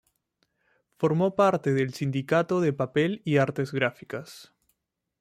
Formó parte del "Sindicato del Papel y Artes Gráficas".